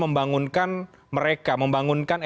membangunkan mereka membangunkan